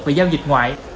về giao dịch ngoại